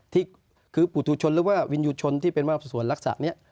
ที่คือปุตุชนหรือว่าวินยูชนที่เป็นสวนลักษณะนี้